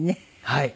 はい。